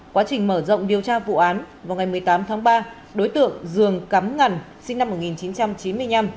quá trình mở rộng điều tra vụ án vào ngày một mươi tám tháng ba đối tượng dương cắm ngần sinh năm một nghìn chín trăm chín mươi năm